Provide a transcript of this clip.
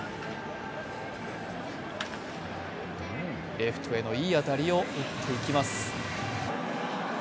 レフトへのいい当たりを打っていきます。